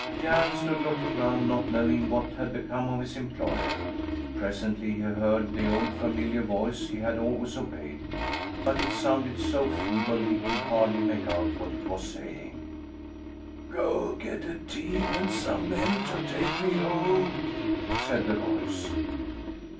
Jan stood looking round not knowing what had become of his employer. Presently he heard the old familiar voice he had always obeyed; but it sounded so feeble he could hardly make out what it was saying. "Go get a team and some men to take me home," said the voice.